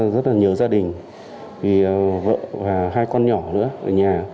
rất là nhiều gia đình vì vợ và hai con nhỏ nữa ở nhà